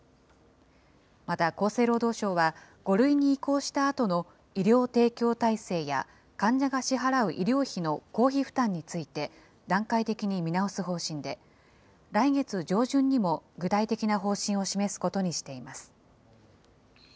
また、厚生労働省は５類に移行したあとの医療提供体制や患者が支払う医療費の公費負担について、段階的に見直す方針で、来月上旬にも具体的な方針を示すことにしています。